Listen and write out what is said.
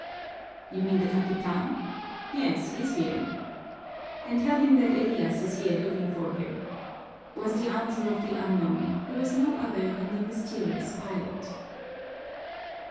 "You mean the capitan? Yes, he's here." "Then tell him that Elias is here looking for him," was the answer of the unknown, who was no other than the mysterious pilot.